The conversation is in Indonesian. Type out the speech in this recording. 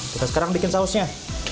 kita sekarang bikin sausnya